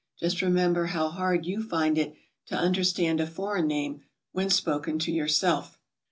Just remember how hard you find it to understand a foreign name when spoken to yourself.